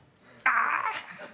あ。